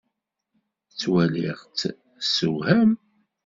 Ttwaliɣ-tt tessewham.